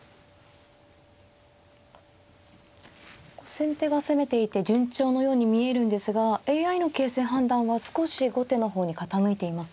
先手が攻めていて順調のように見えるんですがＡＩの形勢判断は少し後手の方に傾いていますね。